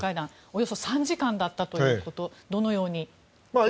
およそ３時間だったということをどのように見てますか。